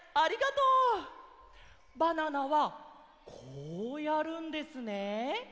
「バナナ」はこうやるんですね。